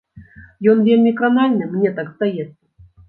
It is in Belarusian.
Ён вельмі кранальны, мне так здаецца.